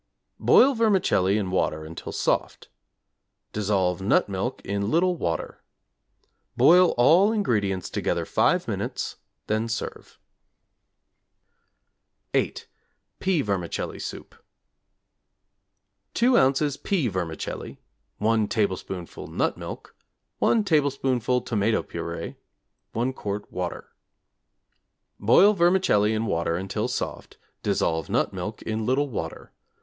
Boil vermicelli in water until soft. Dissolve nut milk in little water. Boil all ingredients together 5 minutes, then serve. =8. Pea Vermicelli Soup= 2 ozs. pea vermicelli, 1 tablespoonful nut milk, 1 tablespoonful tomato purée, 1 quart water. Boil vermicelli in water until soft, dissolve nut milk in little water.